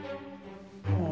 ああ。